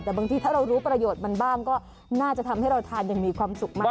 แต่บางทีถ้าเรารู้ประโยชน์มันบ้างก็น่าจะทำให้เราทานอย่างมีความสุขมาก